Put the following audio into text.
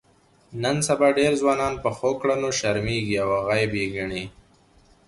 نن سبا ډېر ځوانان په ښو کړنو شرمېږي او عیب یې ګڼي.